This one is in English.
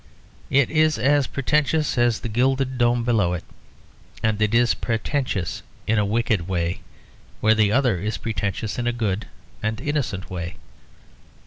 It is as pretentious as the gilded dome below it; and it is pretentious in a wicked way where the other is pretentious in a good and innocent way.